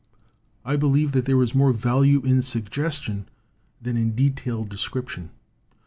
I believe that there is more value in suggestion than in detailed descrip tion.